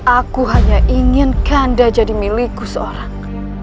aku hanya inginkan anda jadi milikku seorang